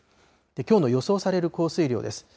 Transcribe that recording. きょうの予想される降水量です。